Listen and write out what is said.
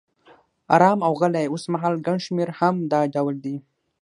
آرام او غلی، اوسمهال ګڼ شمېر هم دا ډول دي.